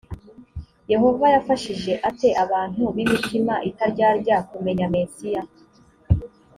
yehova yafashije ate abantu b imitima itaryarya kumenya mesiya